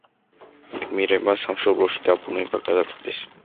გმირებმა სამშობლოში დაბრუნება გადაწყვიტეს.